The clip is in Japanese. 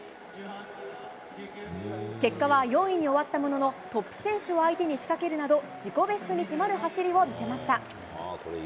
結果は４位に終わったものの、トップ選手を相手に仕掛けるなど、自己ベストに迫る走りを見せました。